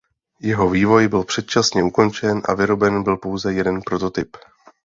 Jeho vývoj byl předčasně ukončen a vyroben byl pouze jeden prototyp.